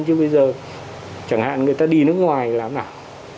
chứ bây giờ chẳng hạn người ta đi nước ngoài làm nào